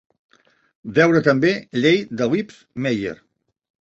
Veure també: llei de Lipps-Meyer